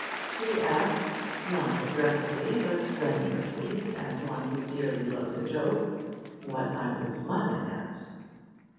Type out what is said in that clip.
She asked not aggressively, but strenuously, as one who dearly loves a joke what I was smiling at.